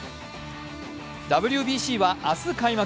ＷＢＣは明日開幕。